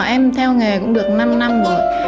em theo nghề cũng được năm năm rồi